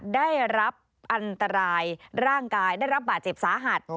ได้รับอันตรายร่างกายได้รับบาดเจ็บสาหัส